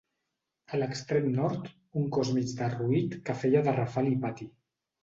A l'extrem nord, un cos mig derruït que feia de rafal i pati.